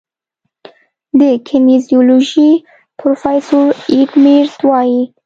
د کینیزیولوژي پروفیسور ایډ میرټ وايي